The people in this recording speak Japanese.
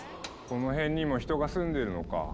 この辺にも人が住んでるのか。